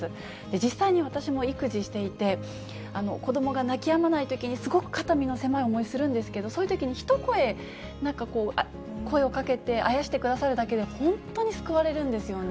実際に私も育児していて、子どもが泣きやまないときに、すごく肩身の狭い思いするんですけど、そういうときにひと声、なんかこう、声をかけてあやしてくださるだけで、本当に救われるんですよね。